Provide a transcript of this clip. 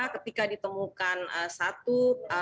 ketika ditemukan satu